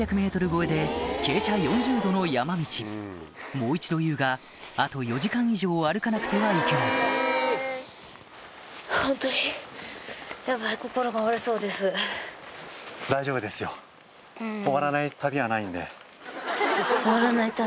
もう一度言うがあと４時間以上歩かなくてはいけない終わらない旅。